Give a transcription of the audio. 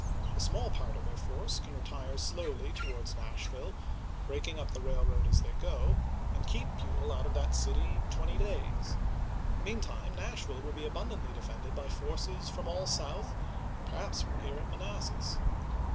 A small part of their force can retire slowly towards Nashville, break ing up the railroad as they go, and keep Buell out of that city twenty days. Meantime NashviUe will be abun dantly defended by forces from all South and perhaps from here at Manassas.